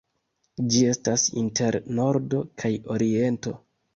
Ĝi estas inter Nordo kaj Oriento.